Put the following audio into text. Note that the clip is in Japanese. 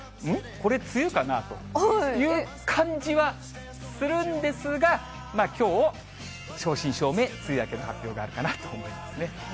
これ梅雨かなという感じはするんですが、きょう、正真正銘、梅雨明けの発表があるかなと思いますね。